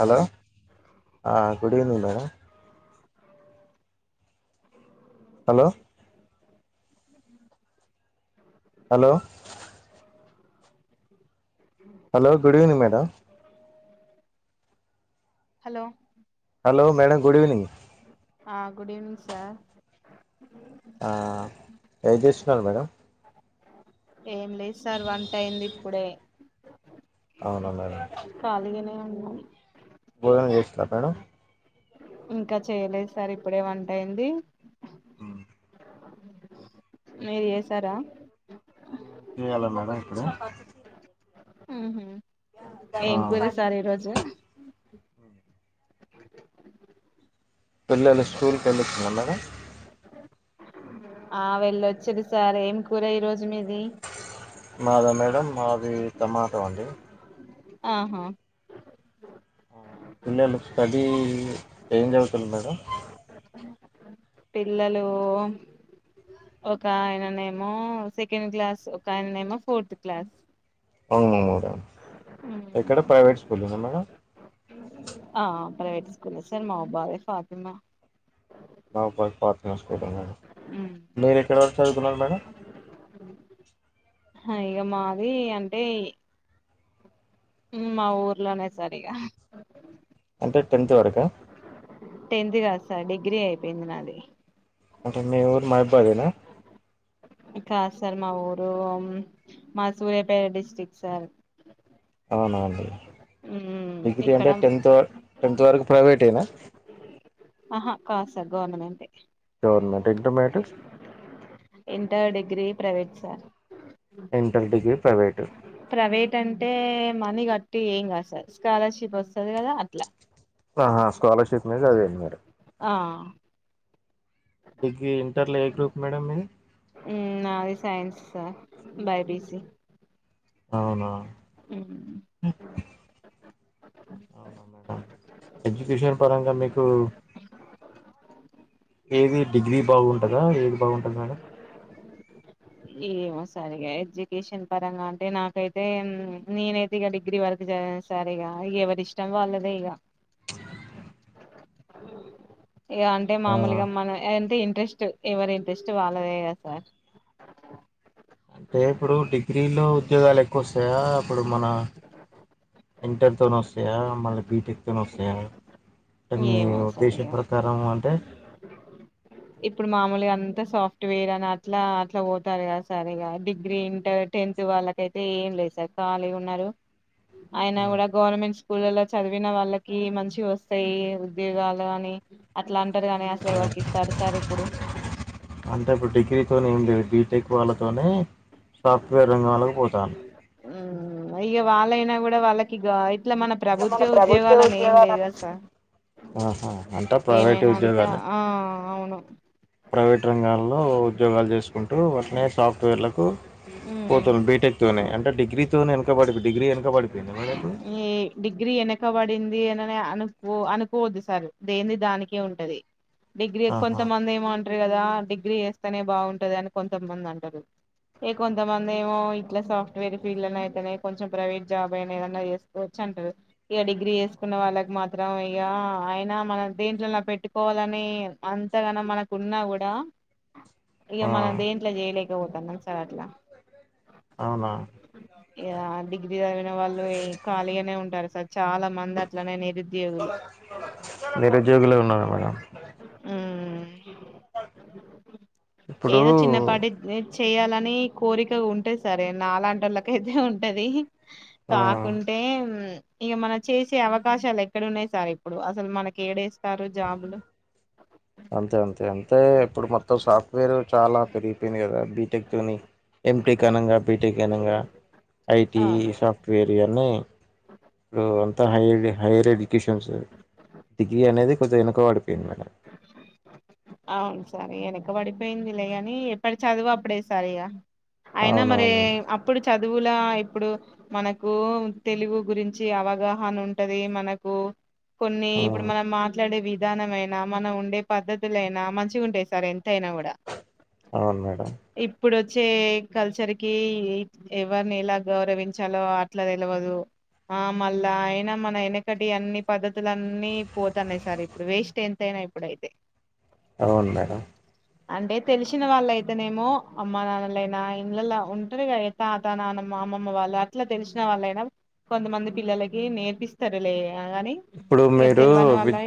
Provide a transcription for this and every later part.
Hello ఆ good evening ma'am. అ hello hello hello good evening madam. Hello hello madam good evening. ఆ good evening sir. ఆ ఏం చేస్తున్నారు మేడమ్. ఏం లేదు సార్ వంట అయింది ఇప్పుడే, అవున మేడం. ఖాళీ గానే ఉన్నా చేస్డ [unintelligible] ఇంకా చేయలేదు సార్ ఇప్పుడే వంట అయింది. మీరు చేసారా చేయాలా మేడం ఇప్పుడు, హుహు ఏం కూర ఆ సార్ ఈరోజు పిల్లలు స్కూల్కి వెళ్ళతున్నార మేడం. ఆ వెళ్ళొచిరు సార్ ఏం కూర ఈ రోజు మీది. మాదా మేడం. మాది టమాటో అండి. ఆహా పిల్లలు స్టడీ ఏం చదువుతున్నారు మేడం. పిల్లలు ఒక ఆయననేమో సెకండ్ క్లాస్ ఒక ఆయననేమో ఫోర్త్ క్లాస్. అవునా ఎక్కడ ప్రైవేట్ స్కూల్ లోనా మేడమ్ ఆ ప్రైవేట్ స్కూల్ సార్ మా బాబే ఫాతిమా నాంపల్లి ఫాతిమా స్కూలా మేడం మీరు ఎక్కడ వరకు చదువు నారు మేడం అయో మావి అంటే ఉమ్ మా ఊర్లోనే సరిగా టెన్త్ వరక టెన్త్ కాదు సార్ డిగ్రీ అయిపోయింది నాది అంటే మీ ఊరు మహబూబ్నగర్ ఏనా కాదు సార్ మా ఊరు మా ఊరు సూర్యాపేట డిస్టిక్ సార్ అవునఅండి డిగ్రీ ఇక్కడ అంటే టెన్త్ టెన్త్ వరకు ప్రైవేట్ యేన ఆహా కాదు సార్ గవర్నమెంట్ గవర్నమెంట్ టెన్త్మ్యాట్రెస్ inter degree private sir inter degree private private అంటే మనీ కట్టి ఏం కాదు సార్ స్కాలర్షిప్ వస్తుంది కదా అట్లా ఆహా స్కాలర్షిప్ మీద చదివింది మరే ఆ డిగ్రీ ఇంటర్ లో ఏ గ్రూప్ మేడం మీది నాది సైన్స్ సార్ బైపిసి అవునా అవునా ఎడ్యుకేషన్ పరంగా మీకు ఏది డిగ్రీ బాగున్నా- ఉంటందా ఏది బాగుంటది మేడం ఏమో సరిగా ఎడ్యుకేషన్ పరంగా అంటే నాకైతే నేనైతే ఇక డిగ్రీ వరకు చదిన సరిగా ఎవరి ఇష్టం వాళ్ళదే ఇక ఇ అంటే ఆ మామూలుగా మనం ఏంటి ఇంట్రెస్ట్ ఎవరి ఇంట్రెస్ట్ వాళ్ళదే కద సార్ అ అంటే ఇప్పుడు డిగ్రీలో ఉద్యోగాలు ఎక్కువ వస్తాయా అప్పుడు మన ఇంటర్తో వస్తాయా మళ్ళీ బీటెక్తో వస్తాయా మీ ఏమో సార్ ఉద్దేశం ఇగ ప్రకారం అంటే ఇప్పుడు మామూలుగా అ సాఫ్ట్వేర్ అని అట్లా అట్లా పోతారు కదా సరిగా డిగ్రీ ఇంటర్ టెన్త్ వాళ్ళకయితే ఏం లేదు సార్ ఖాళీ ఉన్నారు అయినా ఆ కూడా గవర్నమెంట్ స్కూలలో చదివిన వాళ్ళకి మంచి వస్తు వస్తాయి ఉద్యోగాలు అని అట్లాంటి అంటే ఇప్పుడు డిగ్రీతోనే ఏం లేదు బీటెక్ వాళ్ళతోనే సాఫ్ట్వేర్ రంగం లో కి పోతారు ఉ ఇక వాళ్ళైనా కూడా వాళ్ళకి ఇట్లా మన ప్రభుత్వ ఉద్యోగాలుని ఏం లేదా సార్ ఆహా అంటా ప్రైవేట్ ఉద్యోగాలే ను ప్రైవేట్ రంగాల్లో ఉద్యోగాలు చేసుకుంటూ వాటినే సాఫ్ట్వేర్లకు ఉమ్ పోతరు బీటెక్తోనే అంటే డిగ్రీతోనేనుకబడి అంటే డిగ్రీ వెనుక పడిపోయింద మరి ఇప్పుడు దిఅననే అనుకో అనుకోవద్దు సార్ దెంది దానికే ఉంటది డిగ్రీ ఏ ఆహా కొంత మంది ఏమో అంటారు కదా రా డి్ డిగ్రీ చేస్తేనే బాగుంటది అని కొంతమంది అంటారు ఇగ కొంతమంది ఏమో ఇట్లా సాఫ్ట్వేర్ ఫీల్డ్ అయితేనే కొంచెం ప్రైవేట్ జాబ్ అయినా ఏదైనా చేసుకోవచ్చు అంటారు ఇగ డిగ్రీ చేసుకున్న వాళ్ళకి మాత్రం ఇగ అయినా మన దేంట్లో పెట్టుకోవాలని అంతగానం మనకు ఉన్నా కూడా ఇగ ఆ మనం దేంట్ల చేయలే పోతం కదా సార్ అట్లా అవునా ఇగ డిగ్రీ చదివిన వాళ్ళు ఖాళీగానే ఉంటారు సార్ చాలా మంది అట్లనే నిరుద్యోగులు నిరుద్యోగులే ఉన్నారా మేడం [inaudible] ఇప్పుడు ఏదో చిన్నపాటి చేయాలని కోరికగ ఉంటది సార్ ఇగ నాలాంటోళ్ళకైతే ఉంటది ఆ కాకుంటే ఇగ మనం చేసే అవకాశాలు ఎక్కడ ఉన్నాయి సార్ ఇప్పుడు అసలు మనకి ఏడేస్ అంతే అంతే అంతే ఇప్పుడు మొత్ సాఫ్ట్వేర్ చాలా పెరిగిపోయింది కదా బీటెక్ తోని ఎటెక్ అనగా బీటెక్ అనగా ఐటి అవును సాఫ్ట్వేర్ ఇయ్ అన్ని డు అంత హైర్ హైరడి కిషన్ సార్ డిగ్రీ అనేది కొంచం వెనుకబడిపోయింది మేడం అవును సార్ వెనక పడిపోయిందిలేగాని ఎప్పుటి చదువు అప్పుడే సార్ ఇగ అయినా మరే అవునవునండి అప్పుడు చదు చదువుల ఇప్పుడు మనకు తెలుగు గురించి అవగాహన ఉంటది మనకు కొన్ని ఇప్పుడు ఉమ్ మనం మాట్లాడే వీద్ విధానమైనా మనం ఉండే పద్ధతులుయినా మంచిగంటాయి సార్ ఎంతైనా కూడా అవును మేడం వచ్చే కల్చర్ కి ఎవరిని ఎలా గౌరవించాలో అట్లా తెలువదు ఆ మళ్ళా అయినా మన వెనకటి అన్ని పద్ధతులన్నీ పోతాన్నాయి సార్ ఇప్పుడు వేస్ట్ ఎంతైనా ఇప్పుడైతే అవును మేడం అంటే తెలిసిన వాళ్ళ అయితేనేమో అమ్మ నాన్నలైనా ఇడ్లల్ల ఉంటారు కద తాత నానమ్మ అమ్మమ్మ వాళ్ళు అట్లా తెలిసిన వాళ్ళైనా కొంతమంది పిల్లలకి నేర్పిస్తారులే గని ఇప్పుడు మీరు విద్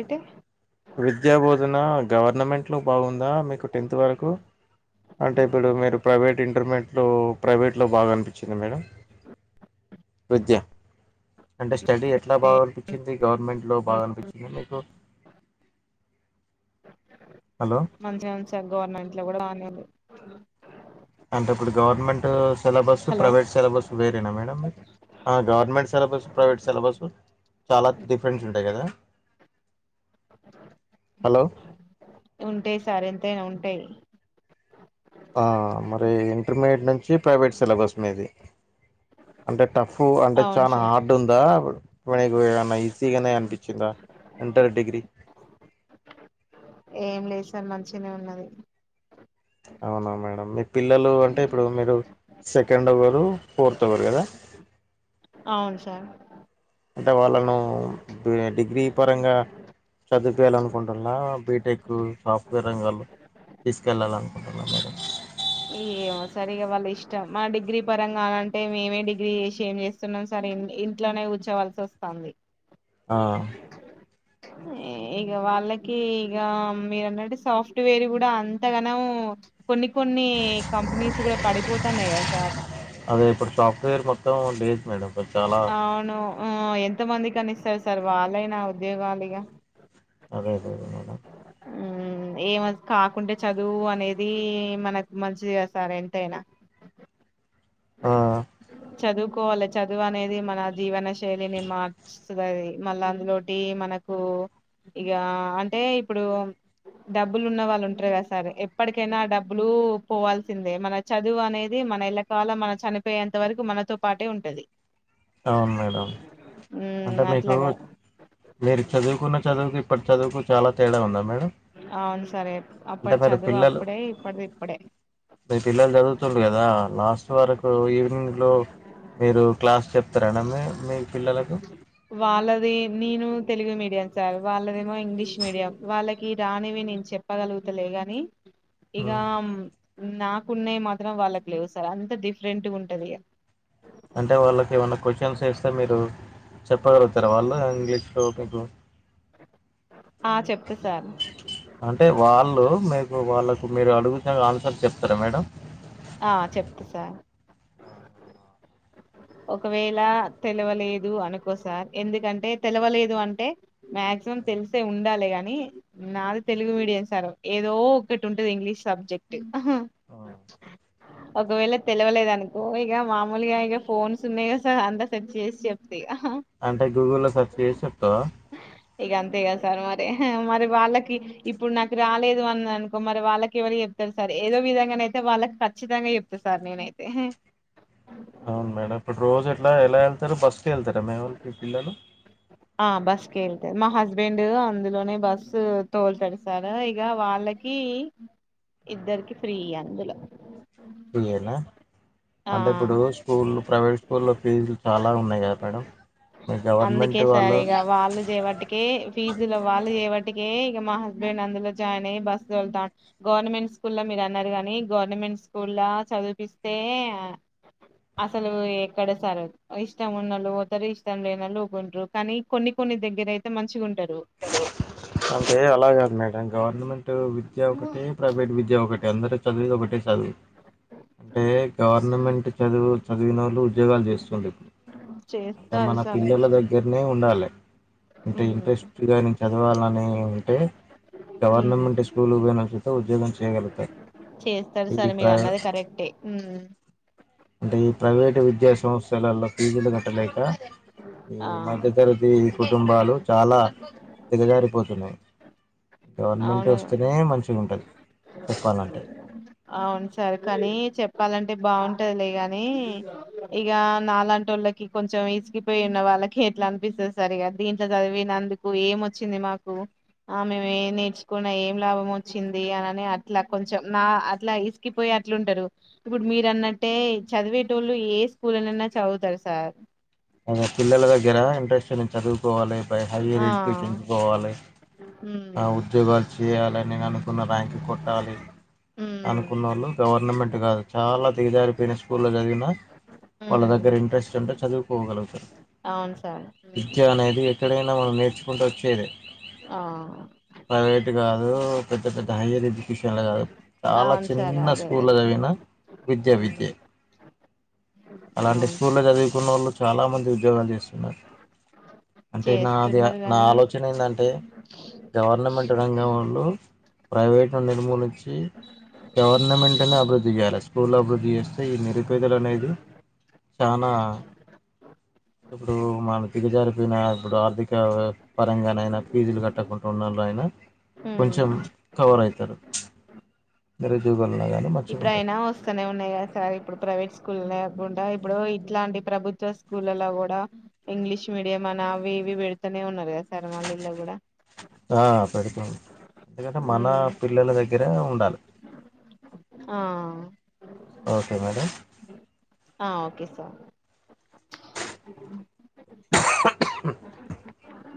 విద్యా బోధన గవర్నమెంట్ లో బాగుందా మీకు టెన్త్ వరకు అంటే ఇప్పుడు మీరు ప్రైవేట్ ఇంటర్మీడియట్లో ప్రైవేట్లో బాగా అనిపించింది మేడం విద్య అంటే స్టడీ ఎట్లా బాగానిపించింది గవర్నమెంట్ లో బాగా అనిపించింద మీకు సో మంచి మంచి గవర్నమెంట్ లో కూడా రాలేదు అవున అంటే ఇప్పుడు government syllabus hello private syllabus వేరేనా మేడం మీకు గవర్నమెంట్ సిలబస్ ప్రైవేట్ సిలబస్ చాలా డిఫరెన్స్ ఉంటాయి కదా హలో ఉంటాయి సార్ ఎంతైనా ఉంటాయి ఆ మరి ఇంటర్మీడియట్ నుంచి ప్రైవేట్ సిలబస్ మీది అంటే టఫ్ అంటే అవును చనా సార్ హార్డ్ ఉందా కి [unintelligible] న్నా ఈజీగానే అనిపించిందా ఇంటర్ డిగ్రీ ఏం లేదు సార్ మంచిగానే ఉన్నది అవునా మేడం మీ పిల్లలు అంటే ఇప్పుడు మీరు సెకండ్ ఒకరు ఫోర్త్ ఒకరు కదా అవును సార్ అంటే వాళ్ళను డిగ్రీ పరంగా చదివిపేయాలినుకుంటున్నార బీటెక్ సాఫ్ట్వేర్ రంగాల్లో తీసుకెళ్ళాల్లల అనుకుంటున్నార ఏమో సార్ వాళ్ళ ఇష్టం మా డిగ్రీ పరంగా అంటే మేమే డిగ్రీ చేసి ఏం చేస్తున్నాం సార్ ఇంట్లోనే కూర్చోవలసి వస్తాంది ఆ ఇక వాళ్ళకి ఇక మీరన్నట్టు సాఫ్ట్వేర్ కూడా అంతగానొ కొన్ని కొన్ని కంపెనీస్ కూడా పడిపోతాన్నాయి కదా సార్ తేర్ కీ వత్తం డీప్ మేడం ఇప్పుడు చాలా అవును ఉ ఎంత మంది కని ఇస్తారు సార్ వాళ్ళైనా ఉద్యోగాలు యిగా అదే అదే మేడం ఏమ్ కాకుంటే చదువు అనేది మనకు మంచిదే సార్ ఎంతైనా ఆ ఆ కోవాల్ల చదువు అనేది మన జీవన శై నినీ మా వస్తుదాని మళ్ళ అందులోటి మనకు ఇగా అంటే ఇప్పుడు డబ్బులు ఉన్న వాళ్ళు ఉంటారు కదా సార్ ఎప్పటికైనా డబ్బులు పోవాల్సిందే మన చదువు అనేది మన లా చాలా మన చనిపోయేంత వరకు మనతో పాటే ఉంటది అవును మేడం ఉమ్ అంటే మీకు అట్లాగా మీరు చదువుకున్న చదువుకి ఇప్పటి చదువుకు చాలా తేడా ఉందా మేడం అవును సార్ అంటే అప్పడి మీరు చదువు పిల్లలు అప్పుడే ఇప్పటిది ఇప్పుడే మీ పిల్లలు చదువుతుండ్రు కదా లాస్ట్ వరకు ఈవినింగ్ లో మీరు క్లాస్ చెప్తారా మీ పిల్లలకు వాళ్ళది నేను తెలుగు మీడియం సార్ వాళ్ళదేమో ఇంగ్లీష్ మీడియం వాళ్ళకి రానివి నేను చెప్పగలుగుతలే కానీ ఇగ అమ్ నాకున్నయి మాత్రం వాళ్ళకు లేవు సార్ అంత డిఫరెంట్ ఉంటది. అంటే వాళ్ళకి ఏమైనా క్వశ్చన్స్ వేస్తే మీరు చెప్పగలుగుతర వాళ్ళు ఇంగ్లీష్లో మీకు ఆ చెప్త సార్ అంటే వాళ్ళు మీకు వాళ్ళకు మీరు అడుగుతే ఆన్సర్ చెప్తరా మేడం ఆ చెప్త సార్ అవునా. ఒకవేళ తెలివలేదు అనుకోసార్ ఎందుకంటే తెలివలేదు అంటే మాక్సిమం తెలిసే ఉండాలి గని నాది తెలుగు మీడియం సార్ ఏదో ఒకక్కటి ఉంటది ఇంగ్లీష్ సబ్జెక్ట్ ఊహు ఆ ఒకవేళ తెలివలేదనుకో ఇగ మామూలుగా ఇగా ఫోన్స్ ఉన్నాయి గా సార్ అంతా సెట్ చేసి చెప్ అంటే గూగుల్లో లో సెర్చ్ చేసి చెప్తవా ఇగ అంతే గ సార్ మరి మరి వాళ్ళకి ఇప్పుడు నాకు రాలేదు అన్న అనుకో మరి వాళ్ళకి ఇవళ చెప్తారు సార్ ఏదో విధంగాన అయితే వాళ్ళకి ఖచ్చితంగా జెప్తా సార్ నేనైతే అవును మేడం ఇప్పుడు రోజు ఎట్లా ఎలా ఎల్తరు బస్కే వెళ్తరా మీ వోల్లు మీ పిల్లలు ఆ బస్ కె వెళ్తే మా హస్బెండ్ అందులోనే బస్ తోల్తడు సర్ ఇగ వాళ్ళకి ఇద్దరికి ఫ్రీ అందులో ఫ్రీ యేనా ఆ అంటే ఇప్పుడు స్కూలు ప్రైవేట్ స్కూల్లో ఫీజులు చాలా ఉన్నాయి గదా మేడం మీ అందుకే గవర్నమెంట్ సార్ వాళ్ళు ఇక వాళ్ళు చేయబట్టికే ఫీజులో వాళ్ళు చేయబట్టికే మా హస్బెండ్ అందులో జాయిన్ అయ్యి బస్సు తోలుతాండు గవర్నమెంట్ స్కూల్ లో మీరు అన్నరు గని గవర్నమెంట్ స్కూల్ లా చదువు పిస్తే అసలు ఎక్కడ సర్ ఇష్టం ఉన్నోళ్లు పోతరు ఇష్టం లేనోళ్ళ ఊకుంట్రూ కానీ కొన్ని కొన్ని దగ్గర అయితే మంచిగా ఉం అంటే అలాగాదు మేడం గవర్నమెంట్ విద్య ఒకటే ప్రైవేట్ విద్య ఒకటే అందరు చదివిది ఒకటె అవి అంటే గవర్నమెంట్ చదువు చదివినోళ్ళు ఉద్యోగాలు చేస్తుంది ఇప్పుడు అంటే చేస్తారు మన సరే పిల్లల దగ్గరనే ఉండాలి అంటే ఉమ్ ఇంట్రెస్ట్ చదవాలని ఉంటే ఉమ్ గవర్నమెంట్ స్కూల్ పోయిన సుత ఉద్యోగం చేయగలుగుతారు చేస్తారు ఈ సరే మీరు ప్రై అన్నది కరెక్టే ఉమ్ అంటే ఈ ప్రైవేటు విద్యా సంస్థలల్ల ఫీజులు గట్టలేక ఈ ఆ మధ్య తరగతీ కుటుంబాలు చాలా దిగజారిపోతున్నాయి గవర్నమెంట్ అవును వస్తేనే మంచిగా ఉంటది చెప్పాలంటే అవును సార్ కనీ చెప్పాలంటే బావుంటదిలే ని ఇక నాలాంటి వాళ్ళకి కొంచెం ఇసిగిపోయి ఉన్న వాళ్ళకి ఎట్లా అనిపిస్తుంది సార్ ఇక దీంట్లో చదివినందుకు ఏమొచ్చింది మాకు ఆ మేము ఏ నేర్చుకున్న ఏం లాభం వచ్చింది అనిని అట్లా కొంచెం నా అట్లా ఇసుకిపోయి అట్లుంటారు ఇప్పుడు మీరు అన్నట్టే చదివేటోళ్ళు ఏ స్కూల నన్న చదువుతారు సార్ అదే హైయర్ ఆ ఎడ్యుకేషన్ కి పోవాలి ఉమ్ ఉద్యోగాలు చేయాలిని అనుకున్న ర్యాంక్ కొట్టాలి ఉమ్ అనుకున్నోళ్ళు గవర్నమెంట్ కాదు చాలా దగజారిపోయిన స్కూల్లో చదివినా వాళ్ళ ఉమ్ దగ్గర ఇంట్రెస్ట్ ఉంటే చదువు పోగలుగుతరు అవును సార్ ఉమ్ విద్య అనేది ఎక్కడైనా మనం నేర్చుకుంట వచ్చేది ఆ ప్రైవేట్ గాద్ అ పెద్ద పెద్ద హైయర్ ఎజ్జుకేషన్ చాలా అవును సార్ చిన్న అదే అదే స్కూల్ల చదివిన విద్యా ఉమ్ విద్యే అలాంటి అవును సార్. స్కూల్ల్లో చదువుకున్నోళ్ళు చాలా మంది ఉద్యోగాలు చేస్తున్నారు అంటే నాది చేస్తున్నారు నా గానీ ఆలోచన ఏందంటే గవర్నమెంట్ రంగం వొళ్ళు ప్రైవేట్ ను నిర్మూలించి గవర్నమెంట్ ని అభివృద్ధి చేయాలి స్కూల్ అభివృద్ధి చేస్తే ఈ నిరుపేదలు అనేది చానా ఇప్పుడు మన దిగజారిపోయిన ఇప్పుడు ఆర్థిక పరంగా నైనా ఫీజులు గట్టకుండా ఉన్నల్లు అయినా హ్మ్ కొంచెం కవర్ ఐతరు మరే జూగాల్లో ఇప్పుడు అయినా వస్తూనే ఉన్నాయి కదా సార్ ఇప్పుడు ప్రైవేట్ స్కూల్ అకుడా ఇప్పుడు ఇట్లాంటి ప్రభుత్వ స్కూళ్లో కూడా ఇంగ్లీష్ మీడియం అని అవి ఇవి పెడుతూనే ఉన్నారు కదా సార్ మళ్ళ ఇల్లో కూడా ఆ పెడుతుంది ఎందుకంటే మన హ్మ్ పిల్లల దగ్గరే ఉండాలి ఆ ఓకే మేడం ఆ ఓకే సార్ అ